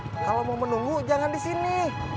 kalau mau menunggu jangan di sini